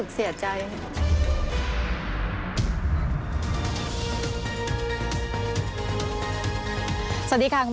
สวัสดีครับ